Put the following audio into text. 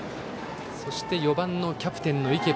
そして４番のキャプテンの池邉。